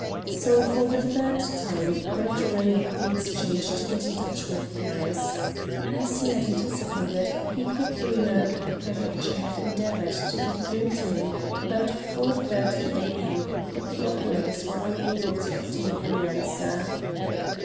So, for the third time, Brett rang up the exchange to get in touch with Paris. As he had anticipated, he quickly learnt that the Prefecture had endeavoured to get through to him about 4.30 a.m., but the operators were unable to obtain any answer.